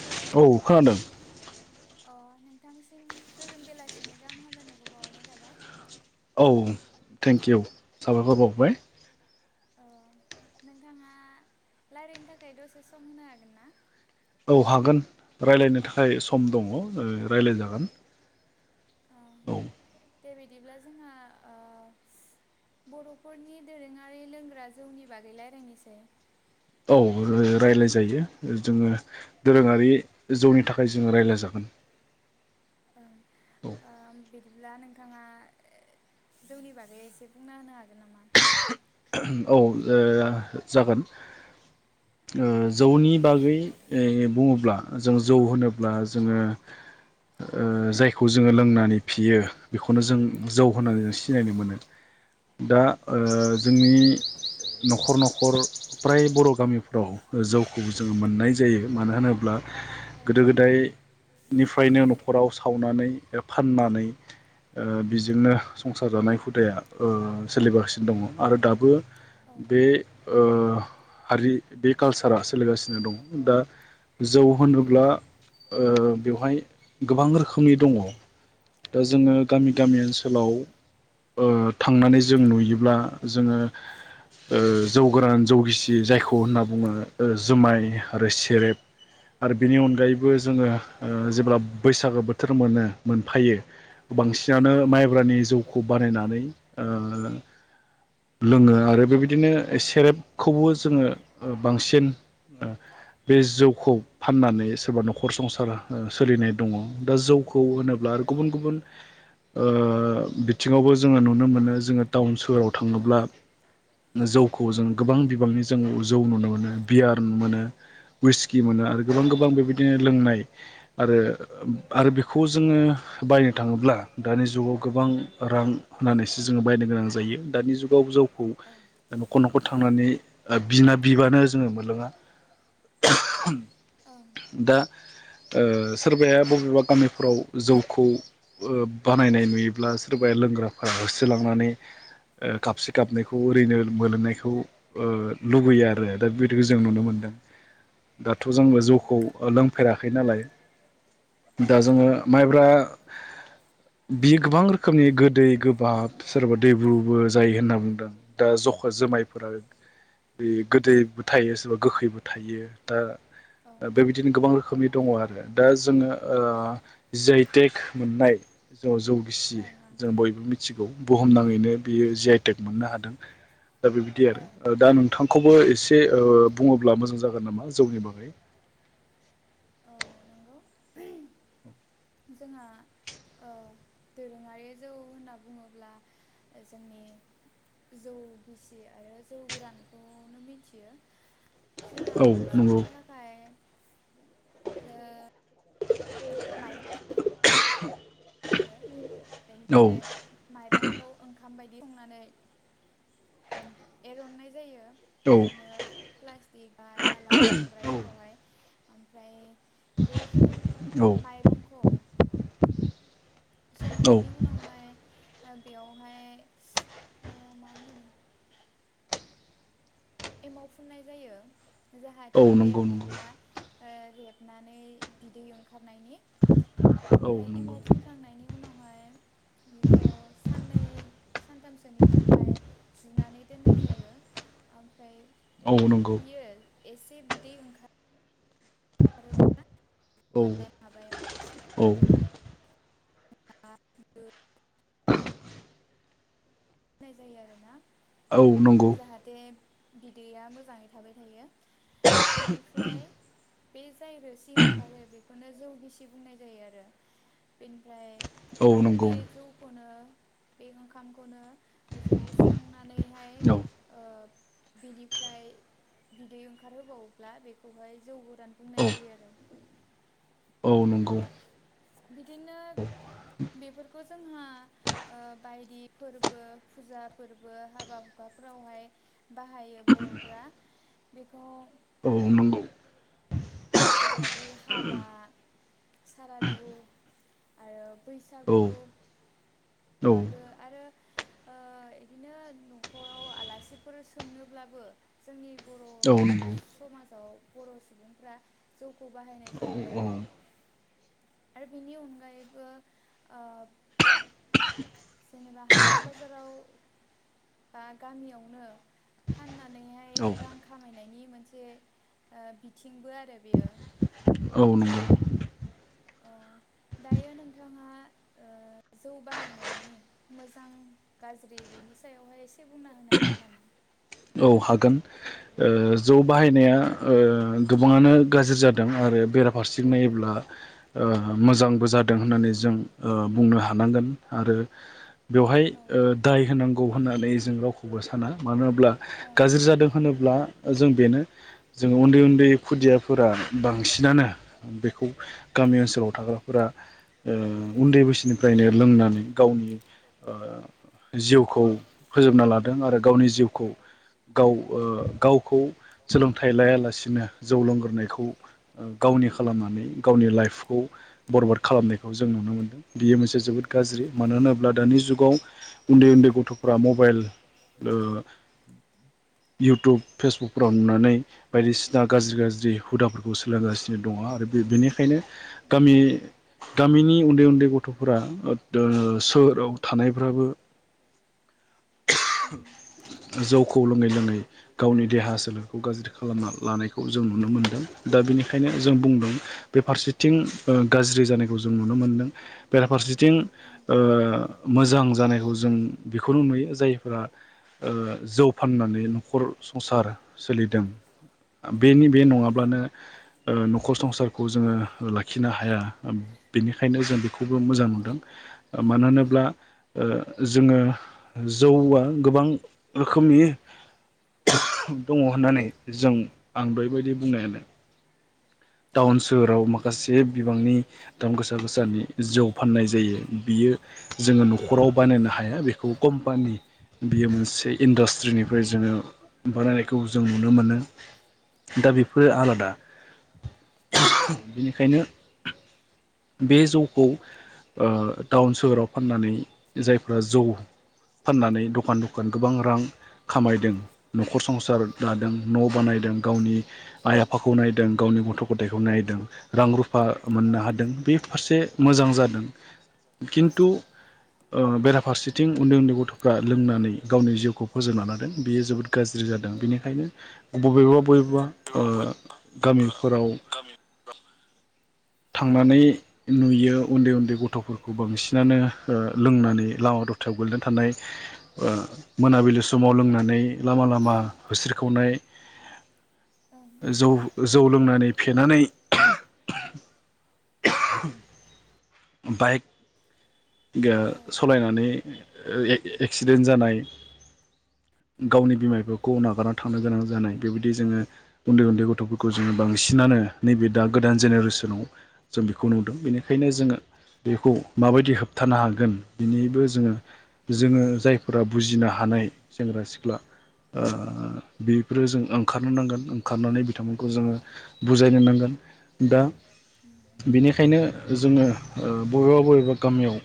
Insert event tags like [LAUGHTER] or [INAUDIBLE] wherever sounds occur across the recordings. हेल' औ खोनादों। अ नोंथांसिम गोजोन बेलासिनि गाहाम हामलायनायखौ बावहरनाय थाबाय। औ थें किउ साबायखर बावबाय। ओ नोंथाङा रायलायनो थाखाय दसे सम होनो हागोन ना? औ हागोन रायलायनो थाखाय सम दङ' ओ रायलायजागोन। औ। देबायदिब्ला जोंहा ओ बर'फोरनि दोरोङारि लोंग्रा जौनि बागै रायलायनोसै। औ रायलाय जायो जोङो दोरोङारि जौनि थाखाय जोङो रायलाय जागोन। ओं। बिदिब्ला नोंथाङा जौनि बागै एसे बुंना होनो हागोन नामा? औ ओ जागोन। ओ जौनि बागै ओ बुङोब्ला जों जौ होनोब्ला जोङो ओ जायखौ जोङो लोंनानै फेयो बेखौनो जों जौ होननानै जों सिनायनो मोनो। दा ओ जोंनि न'खर न'खर फ्राय बर' गामिफ्राव जौखौ जोङो मोननाय जायो। मानो होनोब्ला औ गोदो गोदाय निफ्रायनो न'खराव सावनानै फाननानै ओ बेजोंनो संसार जानाय हुदाया ओ सोलिगासिनो दङ'। आरो दाबो औ बे ओ हारि बे कालसारा सोलिगासिनो दङ'। दा जौ औ उम होनोब्ला ओ बेवहाय गोबां रोखोमनि दङ'। दा जोंना गामि गामि ओनसोलाव ओ थांनानै जों नुयोब्ला जोङो ओ जौ गोरान जौ गिसि जायखौ होनना बुङो ओ जुमाय आरो सेरेब आरो बेनि अनगायैबो जोङो ओ जेब्ला बैसागो बोथोर मोनो मोनफायो बांसिनानो उम माइब्रानि जौ खौ बानायनानै ओ लोङो आरो बेबायदिनो सेरेबखौबो जोङो ओ बांसिन ओ बे जौखौ फाननानै सोरबा न'खर संसार सोलिनाय दङ'। दा जौखौ होनो ब्ला औ गुबुन गुबुन ओ बिथिङावबो जोङो नुनो मोनो जोङो टाउन सोहोराव था ङोब्ला जौखौ जों गोबां बिबांनि जों जौ नुनो मोनो बियार मोनो हुइस कि मोनो आरो गोबां गोबां बेबायदिनो लोंनाय आरो आरो बेखौ जोङो बायनो थाङोब्ला दानि जुगाव गोबां रां होनानैसो जोङो बायनो गोनां जायो। दानि जुगाव जौ खौ औ न'खर न'खर थांनानै बिना बिबानो जोङो मोनलोङा। ओं दा ओ सोरबाया बबेबा गामिफोराव जौखौ बानायनाय नुयोब्ला सोरबाया लोंग्राफोरा होसोलांनानै ओ काबसे कापनैखौ ओरैनो मोलोंनायखौ ओ लुबैयो आरो दा बेदिखौ जों नुनो मोनदों। दाथ' औ जोंबो नंगौ जौखौ लोंफेराखै नालाय दा ओं ओं जोङो माइब्रा बियो गोबां रोखोमनि गोदै गोबाब सोरबा दैब्रुबो जायो होनना बुंदों दा जखा' जुमाइफोरा बे गोदैबो थायो सोरबा गोखैबो थायो दा औ बेबायदिनो गोबां रो खोमनि दङ आरो दा जोङो ओ जि आइ टेक मोननाय [UNINTELLIGIBLE] जौ गिसि ओं जों बयबो मि थिगौ बुहुमनाङैनो बियो जि आइ टेक मोननो हादों दा बेबायदि औ आरो दा नोंथांखौबो एसे ओ बुङोब्ला मोजां जागोन नामा जौनि बागै औ नंगौ जोंहा ओ दोरोङारि जौ होनना बुङोब्ला जोंनि जौ गि सि आरो जौ गोरानखौनो मिथियो। जोंहा औ बेखौ नंगौ संनो थाखाय ओ माइरं होयो औ बेनिफ्राय माइरंखौ ओंखाम बाय संनानै ओ एरननाय जायो औ बिदिनो प्लास्टिक बा दाला संग्रायफोरावहाय ओमफ्राय बे जौ औ माइरंखौ औ संनायनि उनावहाय ओ बेयावहाय ओ मा होनो एमाव फुननाय जायो औ जाहाथे बे नंगौ नंगौ ओंखामा ओ रेबनानै बिदै ओंखारनायनि औ ओमफ्राय नंगौ एमाव फुनखांनायनि उनाव बेखौ साननै सानथामसोनि थाखाय जुनानै दोननाय जायो। ओमफ्राय औ नंगौ बियो एसे बिदै ओंखार आरो बे औ मा औ माबायाव ओ आ [UNINTELLIGIBLE] दोननाय जायो औ नंगौ आरोना। जाहाथे बिदैया मोजाङै थाबाय थायो। बेनिफ्राय बे जाय रोसि ओंखारो बेखौनो जौ गिसि बुंनाय जायो आरो। बेनिफ्राय औ आरो बे नंगौ जौखौनो बे ओंखामखौनो जुदि संनानैहाय औ ओ बिनिफ्राय बिदै ओंखार होबावोब्ला बेखौहाय जौ गो रान बुंनाय औ जायो आरो। औ नोंगौ। बिदिनो बेफोरखौ जोंहा ओ बायदि फोरबो फुजा फोरबो हाबा हुखाफोरावहाय। बाहायो बर'फ्रा। बेखौ औ नोंगौ। जेरैबायदि हाबा। सारादु आरो औ बैसागु मागो आरो ओ इदिनो न'खराव आलासिफोर सोंनोब्लाबो जोंनि बर' औ नंगौ समाजाव बर' सुबुंफ्रा जौखौ बाहायनाय औ जायो आरो आरो बेनि अनगायैबो ओ जेनेबा हाथाय बाजाराव बा गामियावनो फाननानैहाय औ रां खामायनायनि मोनसे बिथिंबो ओ आरो बेयो। औ नंगौ अ दायो नोंथाङा ओ जौ बाहायनायनि मोजां गाज्रि बेनि सायावहाय एसे बुंना होनो हागोन नामा? औ हागोन ओ जौ बाहायनाया जौ ओ बाहायनाया ओ गोबाङानो गाज्रि जादों आरो बेराफारसे नायोब्ला ओ मोजांबो जादों होननानै जों बुंनो हानांगोन आरो बेवहाय औ ओ दाय होनांगौ होननानै जों राव खौबो साना मानो होनब्ला ओं गाज्रि जादों होनोब्ला जों बेनो जों उन्दै उन्दै खुदियाफोरा बांसिनानो बेखौ गामि ओनसोलाव थाग्राफोरा ओ उन्दै बैसोनिफ्रायनो लोंनानै गावनि ओ जिउखौ फोजोबना लादों आरो गावनि जिउखौ गाव ओ गावखौ सोलोंथाइ लायालासिनो जौ लोंगोरोनायखौ ओ गावनि खालामनानै गावनि लाइफखौ बरबाद खालामनायखौ जों नुनो मोनदों। बियो मोनसे जोबोद गाज्रि मानो होनोब्ला दानि जुगाव उन्दै उन्दै गथ'फोरा मबाइल ओ इउटुब फेसबुकफोराव नुनानै बायदिसि ना उम गाज्रि उम गाज्रि हुदाफोरखौ सोलोंगासिनो। दङ आरो बे बेनिखायनो उम गामि गामिनि उन्दै उन्दै गथ'फोरा ओ सोहोराव थानायफ्राबो उम जौ खौ लोङै लोङै गावनि देहा सोलेरखौ गाज्रि खालामना लानायखौ जों नुनो मोन्दों। दा बेनि खायनो जों औ बुंदों बे फारसेथिं ओ गाज्रि जानाय खौ जों नुनो मोनदों बेराफारसेथिं उम ओ मोजां जानायखौ जों बेखौनो नुयो जायफोरा ओ जौ फाननानै न'खर संसार सोलिदों आ बेनि बे नङाब्लानो ओ न'खर संसारखौ जोङो लाखिनो हाया बेनिखायनो जों बे खौबो मोजां औ मोनदों मानो होनोब्ला ओ जोङो जौआ गोबां रोखोमनि दङ होननानै जों आं बेबायदि बुंनायानो ओं टाउन सोहोराव माखासे जे बिबांनि दाम गोसा गोसानि जौ फाननाय जायो बियो जोङो न'खराव बानायनो हाया बेखौ कम्पानि बियो मोनसे इन्डास्ट्रिनिफ्राय जोङो ओं औ बरायनायखौ जों नुनो मोनो दा बेफोरो आलादा बेनिखायनो बे जौखौ ओ टाउन सोहोराव फाननानै जायफ्रा जौ फाननानै दखान दखान गोबां रां खामायदों न'खर संसार दादों न' बानायदों गावनि आइ आफाखौ नायदों गावनि गथ' गथायखौ नायदों रां रु फा औ मोननो हादों फारसे मोजां जादों खिन्थु ओ बेराफारसेथिं उन्दै उन्दै गथ'फ्रा लोंनानै गावनि जिउखौ फोजोबना लादों। बेयो जोबोर गाज्रि जादों बेनिखायनो बबेबा बबेबा ओ गामिफोराव गामि औ थांनानै नुयो उन्दै उन्दै गथ'फोरखौ बांसिनानो ओ लोंनानै लामा दथायाव गोलैनानै थानाय ओ मोनाबिलि समाव लोंनानै लामा लामा होस्रिखावनाय जौ जौ लोंनानै फेनानै [UNINTELLIGIBLE] बाइक औ ओ सालायनानै ओ ए-एक्सिडेन्ट जानाय। गावनि बिमा बिफाखौ नागारना थांनो गोनां जानाय बेबायदि जोङो उन्दै उन्दै गथ'फोरखौ जोङो बांसिनानो नैबे दा गोदान जेनेरेसनाव जों बेखौ नुदों। बेनिखायनो जोङो बेखौ माबायदि होबथानो हागोन बिनिबो जोङो जोङो जायफोरा बुजिनो हानाय सेंग्रा सिख्ला ओ बेफोरो जों ओंखारनो नांगोन ओंखारनानै बिथांमोनखौ औ जोङो बुजायनो नांग- गोन बा बेनिखायनो जोङो बबेबा बबेबा गामियाव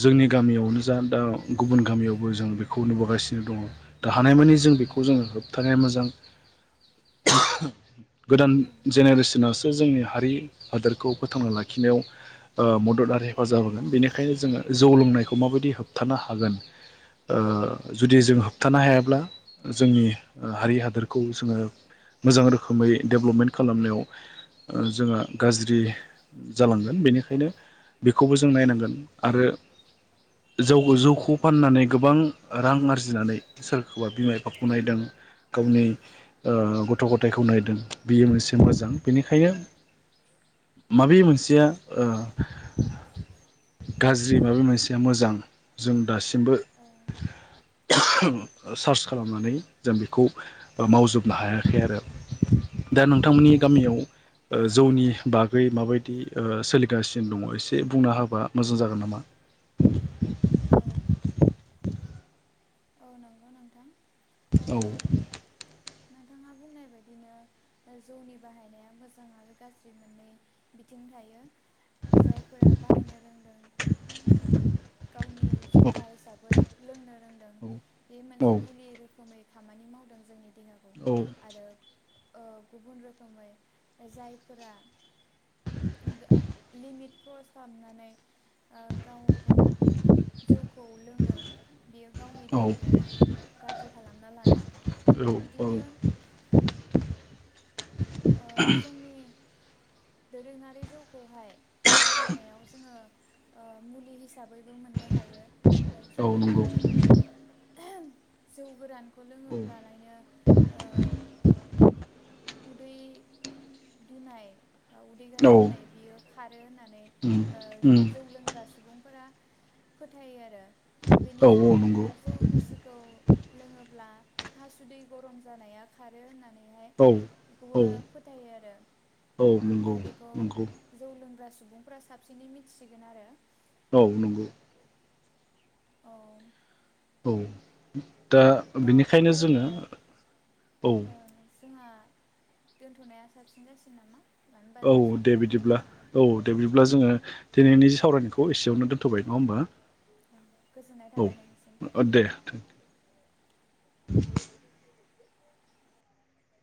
जोंनि गामियावनो जा दा गुबुन गामियावबो जों बेखौ नुबोगासिनो दङ दा हानायमानि जों बेखौ जोङो होबथानाया मोजां गोदान जेनेरेसनसो जोंनि हारि हादोरखौ फोथांना लाखिनायाव मदद आरो हेफाजाब होगोन बेनिखायनो जोङो जौ लोंनायखौ माबायदि होबथानो हागोन जुदि जों होबथानो हायाब्ला जोंनि हारि हादोरखौ जोङो मोजां रोखोमै डेभ्लपमेन्ट खालामनायाव जोङो गाज्रि जालांगोन बेनिखायनो ओंखायनो बेखौबो जों नायनांगोन आरो जौ जौखौ फाननानै गोबां रां आरजिनानै सोरखौबा बिमा बिफाखौ नायदों गावनि गथ' गथायाइखौ नायदों बियो मोनसे मोजां बेनिखायनो माबे मोनसेया ओ गाज्रि माबा नंगौ मोनसेया नोंथां मोजां जों दासिमबो औ सार्च खालामनानै जों बेखौ मावजोबनो हायाखै आरो दा औ नोंथांमोननि गामियाव जौनि बागै माबायदि ओ सोलिगासिनो दङ एसे बुंना होबा मोजां जागोन नामा। औ औ नंगौ नोंथां ओ औ नोंथाङा बुंनाय बायदिनो जौनि बाहायनाया मोजां आरो गाज्रि मोननै बिथिं थायो जायफोरा बाहायनो रोंदों ओ गावनि औ जखा हिसाबै [UNINTELLIGIBLE] बे औ मोनसे मुलि रोखोमै खामानि मावदों जोंनि नंगौ औ आरो ओ गुबुन रोखोमै जायफोरा लिमिट क्रस खालामनानै ओ गावखौ जौखौ लोंदों बेयो गावनि देहाखौ औ गाज्रि खालामना लादों औ बिदिनो ओ जोंनि दोरोङारि जौखौहाय बाहायनायाव जोङो मुलि हिसाबै हिसाबैबो मोननो हायो औ नंगौ जेरैहाय जौ गोरान खौ औ लोङोब्लालायनो ओ उदै दुनाय बा उदै औ गाज्रि जानाय बियो आरो होननानै उम उम ओ जौ लोंग्रा सुबुंफोरा फोथायो आरो औ बेनिफ्राय आरो नंगौ जौ गिसिखौ लोङोब्ला हासुदै गरम जानाया खारो होननानै औ बेखौबो औ फोथायो आरो औ दा नंगौ बेखौ नंगौ जौ लोंग्रा सुबुंफ्रा साबसिनै मिथिसिगोन आरो औ नंगौ औ औ दा दा बे बिनिखायनो जोङो बेलायाव औ ओ जोंहा दोनथ'नाया साबसिन जासिन नामा मानो होनबा औ जोंहा सम दे जानानै बिदिब्ला फैबाय औ दे बिदिब्ला जोङो दिनैनि जे सावरायनायखौ एसेयावनो दोनथ'बाय नङा गोजोननाय होमबा थाबाय नोंनिसिम औ दे थ [INAUDIBLE]